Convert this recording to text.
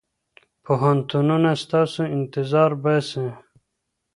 پوهنتونونه ستاسو انتظار باسي.